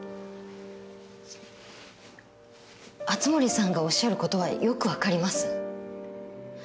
熱護さんがおっしゃることはよく分かります。